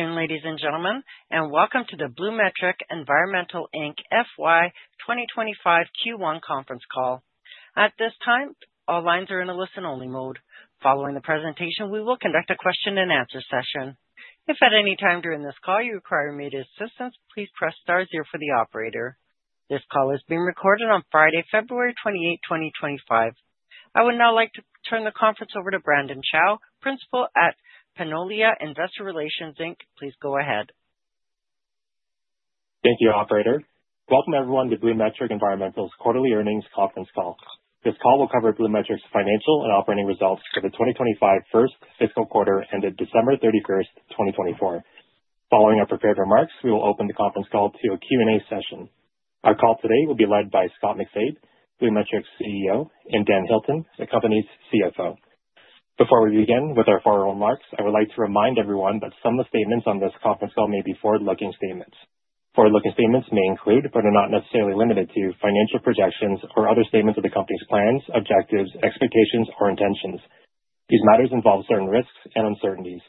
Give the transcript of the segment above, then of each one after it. Afternoon, ladies and gentlemen, and welcome to the BluMetric Environmental FY 2025 Q1 conference call. At this time, all lines are in a listen-only mode. Following the presentation, we will conduct a question-and-answer session. If at any time during this call you require immediate assistance, please press star 0 for the operator. This call is being recorded on Friday, February 28, 2025. I would now like to turn the conference over to Brandon Chao, Principal at Panolia Investor Relations. Please go ahead. Thank you, Operator. Welcome, everyone, to BluMetric Environmental's Quarterly Earnings Conference Call. This call will cover BluMetric's financial and operating results for the 2025 first fiscal quarter ended December 31, 2024. Following our prepared remarks, we will open the conference call to a Q&A session. Our call today will be led by Scott MacFabe, BluMetric's CEO, and Dan Hilton, the company's CFO. Before we begin with our formal remarks, I would like to remind everyone that some of the statements on this conference call may be forward-looking statements. Forward-looking statements may include, but are not necessarily limited to, financial projections or other statements of the company's plans, objectives, expectations, or intentions. These matters involve certain risks and uncertainties.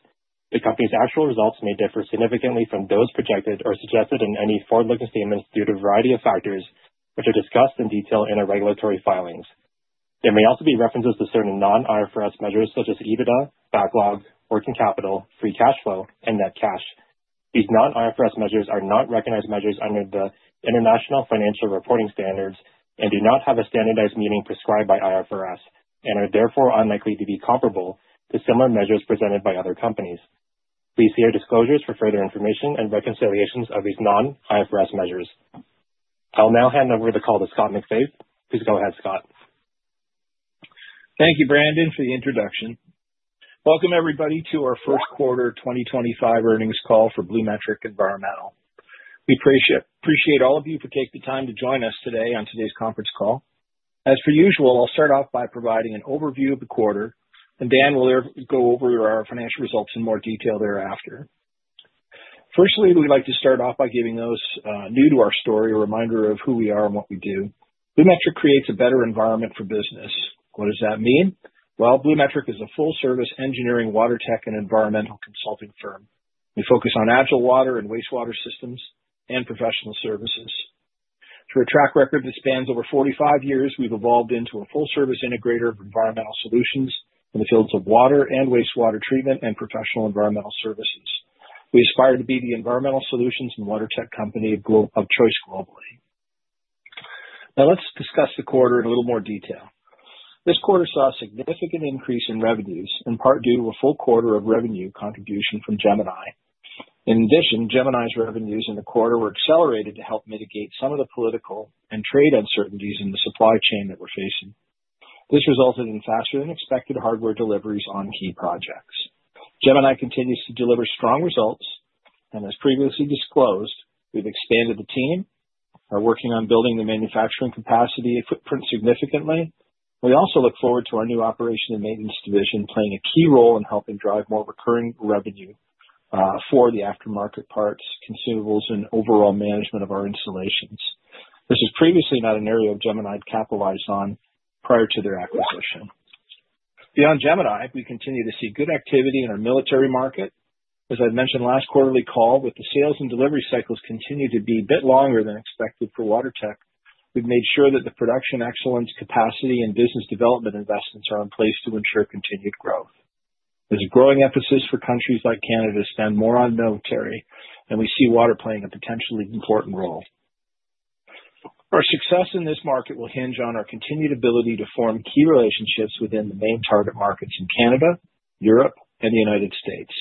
The company's actual results may differ significantly from those projected or suggested in any forward-looking statements due to a variety of factors which are discussed in detail in our regulatory filings. There may also be references to certain non-IFRS measures such as EBITDA, backlog, working capital, free cash flow, and net cash. These non-IFRS measures are not recognized measures under the International Financial Reporting Standards and do not have a standardized meaning prescribed by IFRS and are therefore unlikely to be comparable to similar measures presented by other companies. Please see our disclosures for further information and reconciliations of these non-IFRS measures. I'll now hand over the call to Scott MacFabe. Please go ahead, Scott. Thank you, Brandon, for the introduction. Welcome, everybody, to our First Quarter 2025 Earnings Call for BluMetric Environmental. We appreciate all of you for taking the time to join us today on today's conference call. As per usual, I'll start off by providing an overview of the quarter, and Dan will go over our financial results in more detail thereafter. Firstly, we'd like to start off by giving those new to our story a reminder of who we are and what we do. BluMetric creates a better environment for business. What does that mean? Well, BluMetric is a full-service engineering, water tech, and environmental consulting firm. We focus on agile water and wastewater systems and professional services. Through a track record that spans over 45 years, we've evolved into a full-service integrator of environmental solutions in the fields of water and wastewater treatment and professional environmental services. We aspire to be the environmental solutions and water tech company of choice globally. Now, let's discuss the quarter in a little more detail. This quarter saw a significant increase in revenues, in part due to a full quarter of revenue contribution from Gemini. In addition, Gemini's revenues in the quarter were accelerated to help mitigate some of the political and trade uncertainties in the supply chain that we're facing. This resulted in faster-than-expected hardware deliveries on key projects. Gemini continues to deliver strong results, and as previously disclosed, we've expanded the team, are working on building the manufacturing capacity and footprint significantly. We also look forward to our new operation and maintenance division playing a key role in helping drive more recurring revenue for the aftermarket parts, consumables, and overall management of our installations. This is previously not an area of Gemini to capitalize on prior to their acquisition. Beyond Gemini, we continue to see good activity in our military market. As I mentioned last quarterly call, with the sales and delivery cycles continuing to be a bit longer than expected for water tech, we have made sure that the production excellence, capacity, and business development investments are in place to ensure continued growth. There is a growing emphasis for countries like Canada to spend more on military, and we see water playing a potentially important role. Our success in this market will hinge on our continued ability to form key relationships within the main target markets in Canada, Europe, and the United States.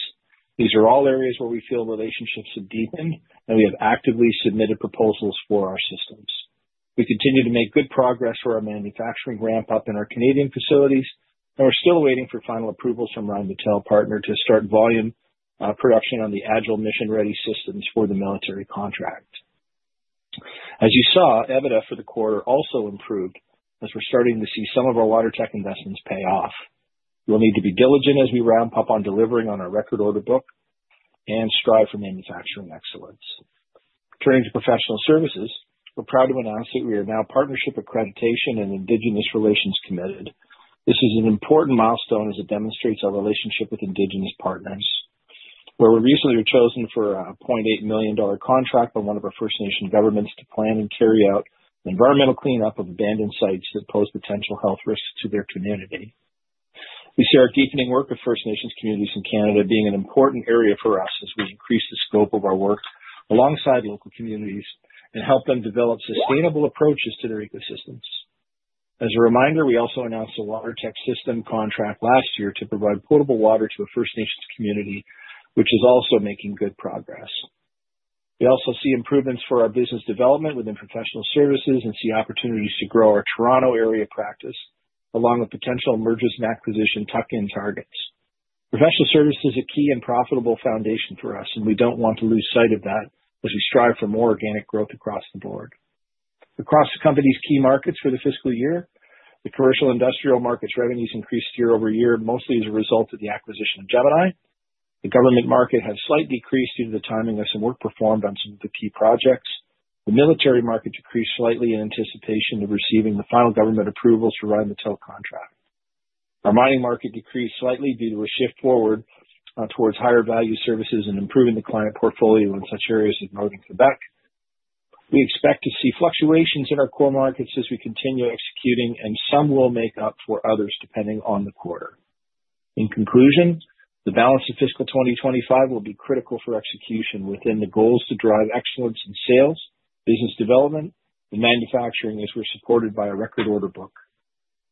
These are all areas where we feel relationships have deepened, and we have actively submitted proposals for our systems. We continue to make good progress for our manufacturing ramp-up in our Canadian facilities, and we're still waiting for final approvals from Rheinmetall partner to start volume production on the Agile Mission-Ready systems for the military contract. As you saw, EBITDA for the quarter also improved as we're starting to see some of our water tech investments pay off. We'll need to be diligent as we ramp up on delivering on our record order book and strive for manufacturing excellence. Returning to professional services, we're proud to announce that we are now Partnership Accreditation in Indigenous Relations committed. This is an important milestone as it demonstrates our relationship with Indigenous partners. Where we recently were chosen for a 0.8 million dollar contract by one of our First Nation governments to plan and carry out environmental cleanup of abandoned sites that pose potential health risks to their community. We see our deepening work with First Nations communities in Canada being an important area for us as we increase the scope of our work alongside local communities and help them develop sustainable approaches to their ecosystems. As a reminder, we also announced a water tech system contract last year to provide potable water to a First Nations community, which is also making good progress. We also see improvements for our business development within professional services and see opportunities to grow our Toronto area practice along with potential mergers and acquisitions in tuck-in targets. Professional services are a key and profitable foundation for us, and we do not want to lose sight of that as we strive for more organic growth across the board. Across the company's key markets for the fiscal year, the commercial industrial market's revenues increased year over year, mostly as a result of the acquisition of Gemini. The government market has slightly decreased due to the timing of some work performed on some of the key projects. The military market decreased slightly in anticipation of receiving the final government approvals for Rheinmetall contract. Our mining market decreased slightly due to a shift forward towards higher value services and improving the client portfolio in such areas as Northern Quebec. We expect to see fluctuations in our core markets as we continue executing, and some will make up for others depending on the quarter. In conclusion, the balance of fiscal 2025 will be critical for execution within the goals to drive excellence in sales, business development, and manufacturing as we're supported by our record order book.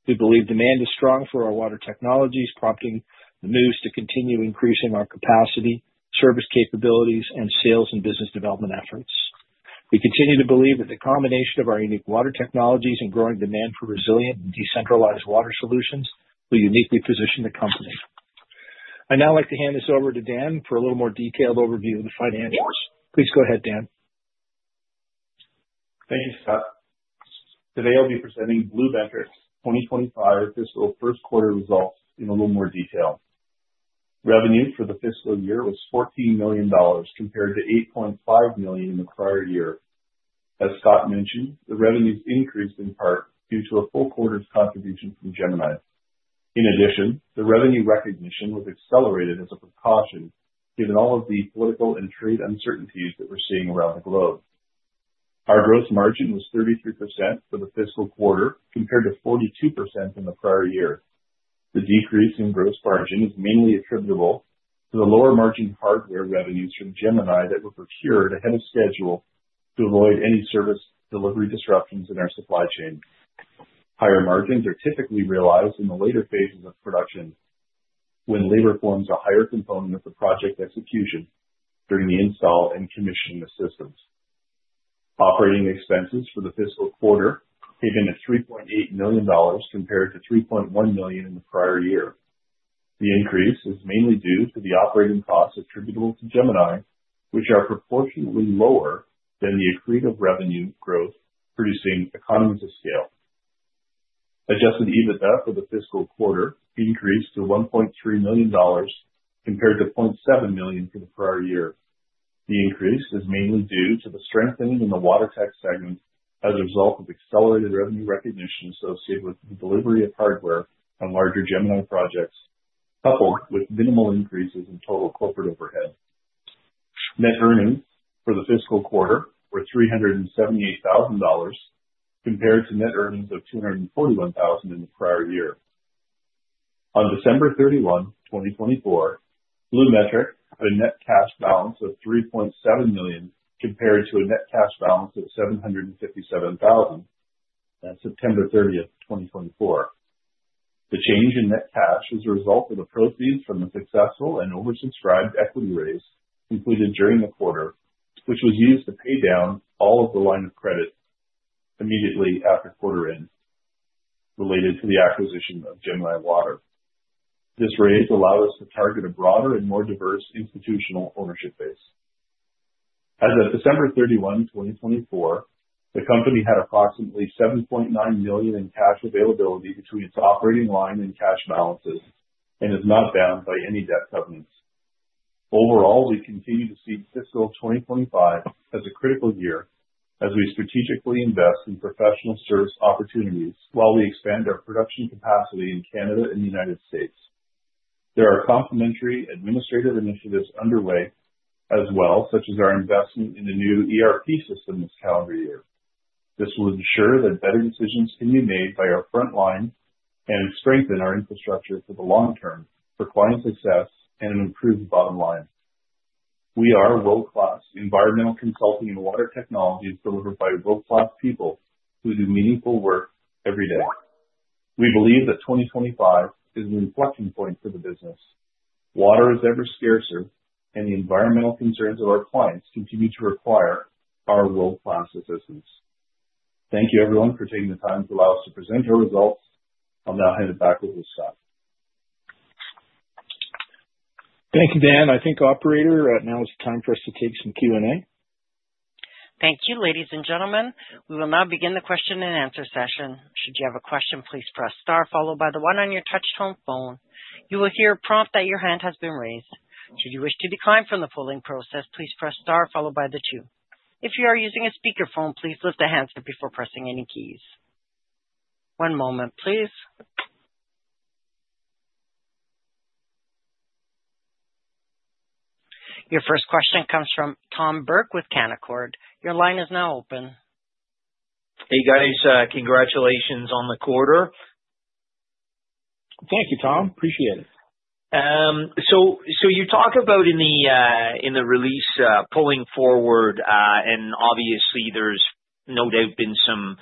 We believe demand is strong for our water technologies, prompting the moves to continue increasing our capacity, service capabilities, and sales and business development efforts. We continue to believe that the combination of our unique water technologies and growing demand for resilient and decentralized water solutions will uniquely position the company. I'd now like to hand this over to Dan for a little more detailed overview of the financials. Please go ahead, Dan. Thank you, Scott. Today, I'll be presenting BluMetric's 2025 Fiscal First Quarter Results in a little more detail. Revenue for the fiscal year was 14 million dollars compared to 8.5 million in the prior year. As Scott mentioned, the revenues increased in part due to a full quarter's contribution from Gemini. In addition, the revenue recognition was accelerated as a precaution given all of the political and trade uncertainties that we're seeing around the globe. Our gross margin was 33% for the fiscal quarter compared to 42% in the prior year. The decrease in gross margin is mainly attributable to the lower margin hardware revenues from Gemini that were procured ahead of schedule to avoid any service delivery disruptions in our supply chain. Higher margins are typically realized in the later phases of production when labor forms a higher component of the project execution during the install and commissioning of systems. Operating expenses for the fiscal quarter came in at 3.8 million dollars compared to 3.1 million in the prior year. The increase is mainly due to the operating costs attributable to Gemini, which are proportionately lower than the accretive revenue growth producing economies of scale. Adjusted EBITDA for the fiscal quarter increased to 1.3 million dollars compared to 0.7 million for the prior year. The increase is mainly due to the strengthening in the water tech segment as a result of accelerated revenue recognition associated with the delivery of hardware on larger Gemini projects, coupled with minimal increases in total corporate overhead. Net earnings for the fiscal quarter were 378,000 dollars compared to net earnings of 241,000 in the prior year. On December 31, 2024, BluMetric had a net cash balance of 3.7 million compared to a net cash balance of 757,000 on September 30, 2024. The change in net cash is a result of the proceeds from the successful and oversubscribed equity raise completed during the quarter, which was used to pay down all of the line of credit immediately after quarter-end related to the acquisition of Gemini Water. This raise allowed us to target a broader and more diverse institutional ownership base. As of December 31, 2024, the company had approximately 7.9 million in cash availability between its operating line and cash balances and is not bound by any debt covenants. Overall, we continue to see fiscal 2025 as a critical year as we strategically invest in professional service opportunities while we expand our production capacity in Canada and the United States. There are complementary administrative initiatives underway as well, such as our investment in a new ERP system this calendar year. This will ensure that better decisions can be made by our front line and strengthen our infrastructure for the long term for client success and an improved bottom line. We are world-class environmental consulting and water technologies delivered by world-class people who do meaningful work every day. We believe that 2025 is an inflection point for the business. Water is ever scarcer, and the environmental concerns of our clients continue to require our world-class assistance. Thank you, everyone, for taking the time to allow us to present our results. I'll now hand it back over to Scott. Thank you, Dan. I think, Operator, now it's time for us to take some Q&A. Thank you, ladies and gentlemen. We will now begin the question and answer session. Should you have a question, please press star, followed by the one on your touch tone phone. You will hear a prompt that your hand has been raised. Should you wish to decline from the polling process, please press star, followed by the two. If you are using a speakerphone, please lift the handset before pressing any keys. One moment, please. Your first question comes from Tom Burke with Canaccord. Your line is now open. Hey, guys. Congratulations on the quarter. Thank you, Tom. Appreciate it. You talk about in the release pulling forward, and obviously, there's no doubt been some,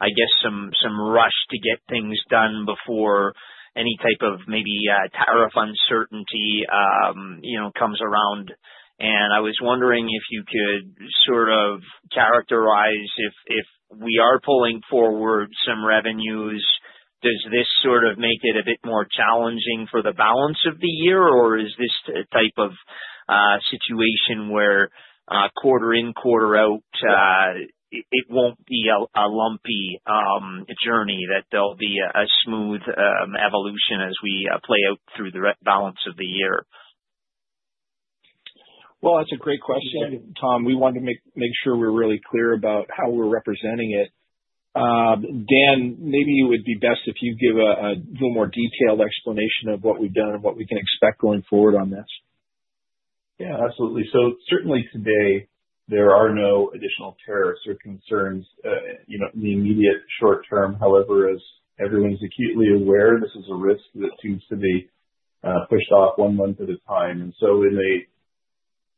I guess, some rush to get things done before any type of maybe tariff uncertainty comes around. I was wondering if you could sort of characterize if we are pulling forward some revenues, does this sort of make it a bit more challenging for the balance of the year, or is this type of situation where quarter in, quarter out, it won't be a lumpy journey, that there'll be a smooth evolution as we play out through the balance of the year? That's a great question, Tom, We wanted to make sure we're really clear about how we're representing it. Dan, maybe it would be best if you give a little more detailed explanation of what we've done and what we can expect going forward on this. Yeah, absolutely. Certainly today, there are no additional tariffs or concerns in the immediate short term. However, as everyone's acutely aware, this is a risk that seems to be pushed off one month at a time. In the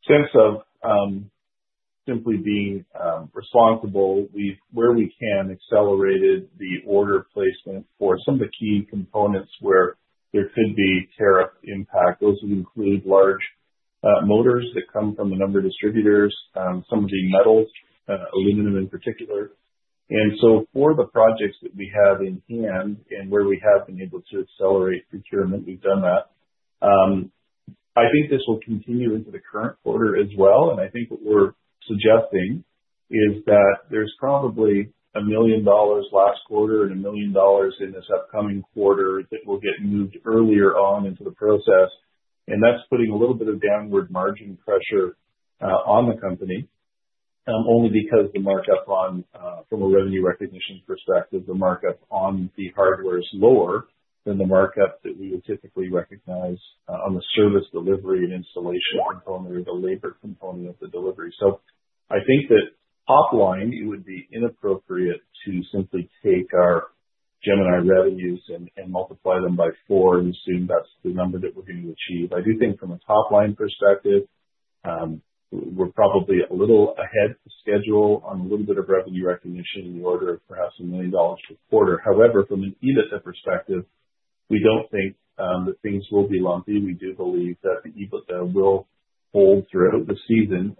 sense of simply being responsible, we've, where we can, accelerated the order placement for some of the key components where there could be tariff impact, Those would include large motors that come from a number of distributors, some of the metals, aluminum in particular. For the projects that we have in hand and where we have been able to accelerate procurement, we've done that. I think this will continue into the current quarter as well. I think what we're suggesting is that there's probably 1 million dollars last quarter and 1 million dollars in this upcoming quarter that will get moved earlier on into the process. That is putting a little bit of downward margin pressure on the company, only because the markup from a revenue recognition perspective, the markup on the hardware is lower than the markup that we would typically recognize on the service delivery and installation component or the labor component of the delivery. I think that top line, it would be inappropriate to simply take our Gemini revenues and multiply them by four and assume that is the number that we are going to achieve. I do think from a top line perspective, we are probably a little ahead of schedule on a little bit of revenue recognition in the order of perhaps 1 million dollars per quarter. However, from an EBITDA perspective, we do not think that things will be lumpy we do believe that the EBITDA will hold throughout the season.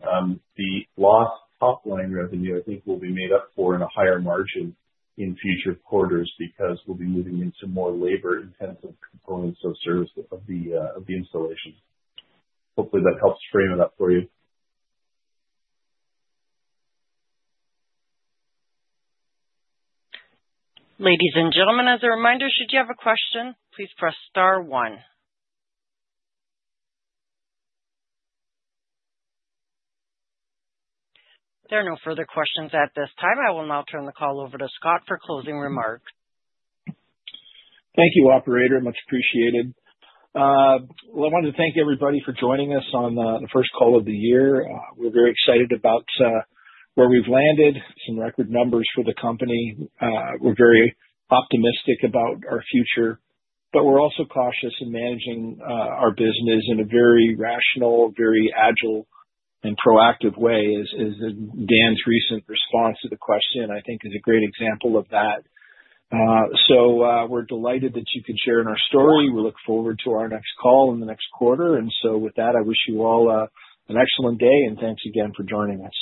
The lost top line revenue, I think, will be made up for in a higher margin in future quarters because we'll be moving into more labor-intensive components of service of the installation. Hopefully, that helps frame it up for you. Ladies and gentlemen, as a reminder, should you have a question, please press star one. There are no further questions at this time i will now turn the call over to Scott for closing remarks. Thank you, Operator, Much appreciated. I wanted to thank everybody for joining us on the first call of the year. We're very excited about where we've landed, some record numbers for the company. We're very optimistic about our future, but we're also cautious in managing our business in a very rational, very agile, and proactive way, as Dan's recent response to the question, I think, is a great example of that. We're delighted that you could share in our story. We look forward to our next call in the next quarter. With that, I wish you all an excellent day, and thanks again for joining us.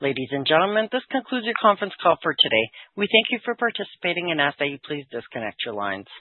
Ladies and gentlemen, this concludes your conference call for today. We thank you for participating and ask that you please disconnect your lines.